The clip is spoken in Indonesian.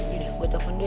ya deh gue telfon dia